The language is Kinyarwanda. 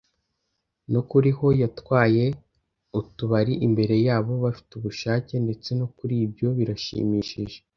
No kuri “Ho!” yatwaye utubari imbere yabo bafite ubushake. Ndetse no kuri ibyo birashimishije